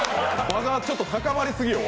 場がちょっと高まりすぎよ。